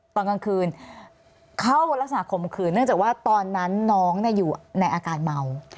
ตอนกลางคืนเข้ารักษณข่มขืนเนื่องจากว่าตอนนั้นน้องอยู่ในอาการเมา